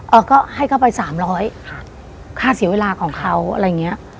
เอ้าก็ให้เข้าไป๓๐๐บาทค่าเสียเวลาของเขาอะไรอย่างเงี้ย